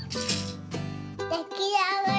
できあがり！